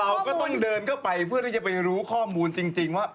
เราก็ต้องเดินเข้าไปเพื่อที่จะไปรู้ข้อมูลจริงว่า